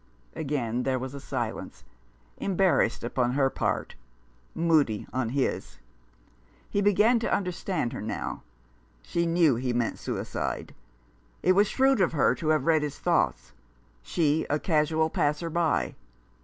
Again there was a silence — embarrassed upon her part, moody on his. He began to understand her now. She knew he meant suicide. It was shrewd of her to have read his thoughts — she, a casual passer by.